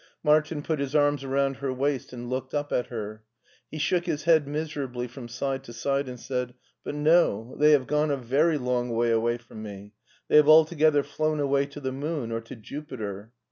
Martin put his arms around her waist and looked up at her. He shook his head miserably from side to side and said: " But, no, they have gone a very long way away from me. They have altogether flown away to the moon, or to Jupiter."